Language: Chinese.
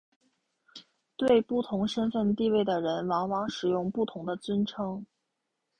对不同身份地位的人往往使用不同的尊称。